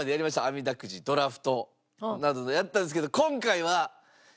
あみだくじドラフトなどやったんですけど。